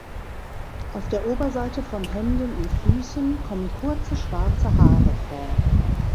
Auf der Oberseite von Händen und Füßen kommen kurze schwarze Haare vor.